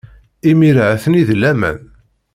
Imir-a, atni deg laman.